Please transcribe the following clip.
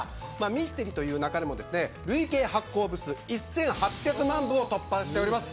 ミステリと言う勿れも累計発行部数１８００万部を突破しております。